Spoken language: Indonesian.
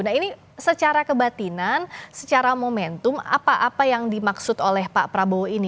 nah ini secara kebatinan secara momentum apa apa yang dimaksud oleh pak prabowo ini